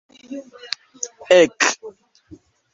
ek